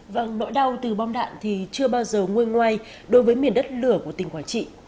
vâng nỗi đau từ bom đạn thì chưa bao giờ ngôi ngoài đối với miền đất lửa của tỉnh quảng trị